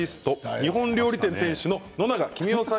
日本料理店店主の野永喜三夫さん